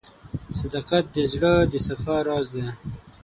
• صداقت د زړه د صفا راز دی.